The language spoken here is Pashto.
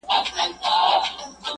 چي لا به نوري څه کانې کیږي-